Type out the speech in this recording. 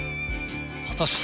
果たして。